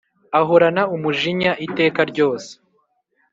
ahorana umujinya iteka ryose.